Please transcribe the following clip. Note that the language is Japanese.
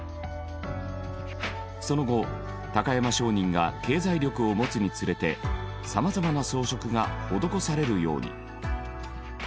その後高山商人が経済力を持つにつれて様々な装飾が施されるように。